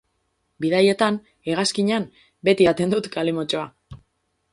Bidaietan, hegazkinean, beti edaten dut kalimotxoa.